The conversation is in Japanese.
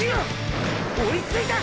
追いついた！！